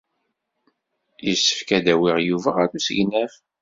Yessefk ad awiɣ Yuba ɣer usegnaf.